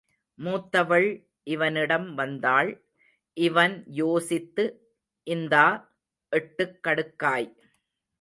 மூத்தவள் இவனிடம் வந்தாள்.இவன் யோசித்து, இந்தா, எட்டுக் கடுக்காய்.